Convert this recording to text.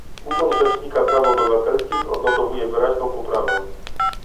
Urząd Rzecznika Praw Obywatelskich odnotowuje wyraźną poprawę